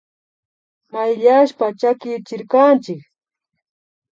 Mayllashpa chakichirkanchik